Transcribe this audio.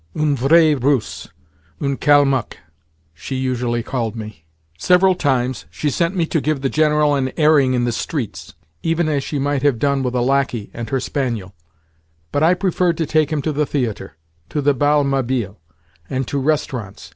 "Un vrai Russe—un Kalmuk" she usually called me. Several times she sent me to give the General an airing in the streets, even as she might have done with a lacquey and her spaniel; but, I preferred to take him to the theatre, to the Bal Mabille, and to restaurants.